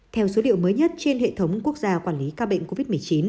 theo số liệu mới nhất trên hệ thống quốc gia quản lý ca bệnh covid một mươi chín